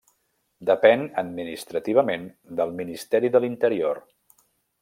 Depèn administrativament del Ministeri de l'Interior.